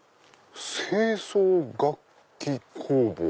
「清掃楽器工房」。